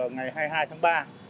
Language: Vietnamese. ngày hai mươi hai tháng ba